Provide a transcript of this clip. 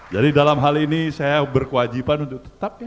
jadi dalam hal ini saya berkewajiban untuk tetapnya